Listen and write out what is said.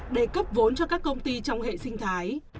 để cấp vốn cho các công ty trong hệ sinh thái